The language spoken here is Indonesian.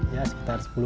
jaring teluk benoa